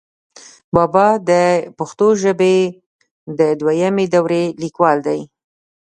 بابا دَپښتو ژبې دَدويمي دورې ليکوال دی،